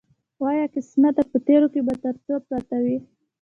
وایه قسمته په تېرو کې به تر څو پراته وي.